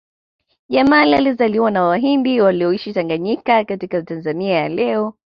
Jamal alizaliwa na Wahindi walioishi Tanganyika katika Tanzania ya leo